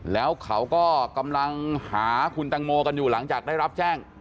แล้วเขาก็กำลังหาคุณตังโมกันอยู่หลังจากได้รับแจ้ง